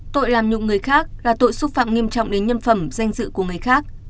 tội làm nhục người khác là tội xúc phạm nghiêm trọng đến nhân phẩm danh dự của người khác